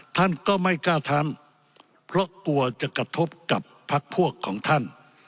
ท่านก็ไม่กล้าทำเพราะกลัวจะกระทบกับพักพวกของท่าน